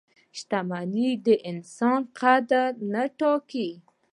• شتمني د انسان قدر نه ټاکي.